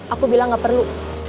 aku bilang gak perlu